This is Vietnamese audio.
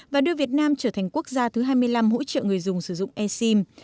và đưa việt nam trở thành quốc gia thứ hai mươi năm hỗ trợ người dùng sử dụng e sim